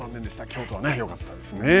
京都はよかったですね。